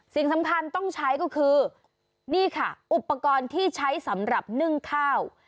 สิ่งสำคัญต้องใช้ก็คือนี่ค่ะอุปกรณ์ที่ใช้สำหรับนึ่งข้าว